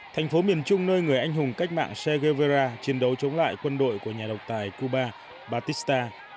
thành phố miền trung nơi người anh hùng cách mạng sera chiến đấu chống lại quân đội của nhà độc tài cuba batista